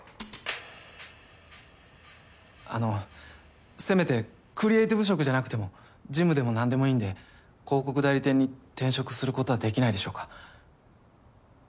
あのせめてクリエーティブ職じゃなくても事務でも何でもいいんで広告代理店に転職することはできないでしょうか？